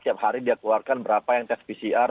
setiap hari dia keluarkan berapa yang tes pcr